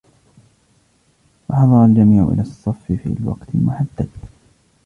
حضر الجميع إلى الصف في الوقت المحدد